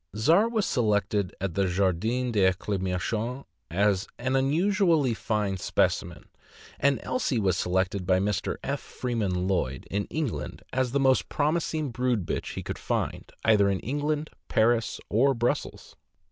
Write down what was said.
Czar was selected at the Jardin d' Acclimation as an unusually fine specimen; and Elsie was selected by Mr. F. Freeman Lloyd, in England, as the most promising 266 THE AMERICAN BOOK OF THE DOG. brood bitch he could find, either in England, Paris, or Brussels.